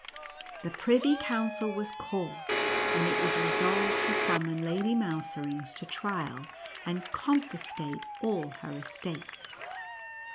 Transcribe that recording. The privy council was called, and it was resolved to summon Lady Mouserings to trial, and confiscate all her estates.